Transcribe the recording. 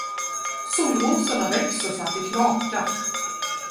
Solrosorna växer så att det knakar.